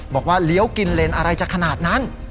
บอกว่าเลี้ยวกินเลนอะไรจะขนาดนั้น